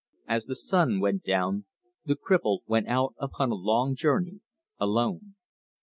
As the sun went down, the cripple went out upon a long journey alone.